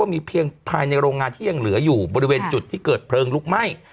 มีเพียงภายในโรงงานที่ยังเหลืออยู่บริเวณจุดที่เกิดเพลิงลุกไหม้